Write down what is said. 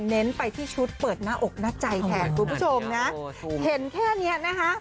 เน้นไปที่ชุดเปิดหน้าอกหน้าใจแทนคุณผู้ชมนะเห็นแค่เนี้ยนะคะ